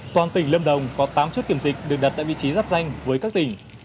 toàn tỉnh lâm đồng có tám chốt kiểm dịch được đặt tại vị trí giáp danh với các tỉnh